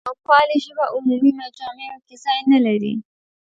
نوپالي ژبه عمومي مجامعو کې ځای نه لري.